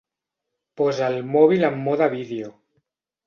Posa el mòbil en mode vídeo.